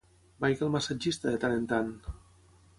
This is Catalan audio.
Vagi al massatgista de tant en tant.